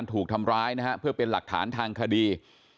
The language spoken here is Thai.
ถูกทำร้ายนะฮะเพื่อเป็นหลักฐานทางคดี